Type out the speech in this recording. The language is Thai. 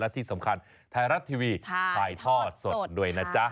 ที่สำคัญไทยรัฐทีวีถ่ายทอดสดด้วยนะจ๊ะ